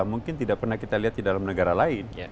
mungkin tidak pernah kita lihat di dalam negara lain